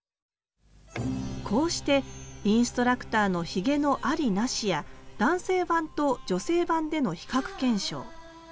こうしてインストラクターのひげの「あり」「なし」や男性版と女性版での比較検証。